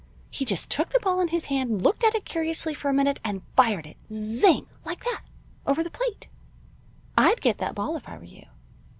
He just took the ball in his hand, looked at it curiously for a moment, and fired it zing! like that, over the plate. I'd get that ball if I were you."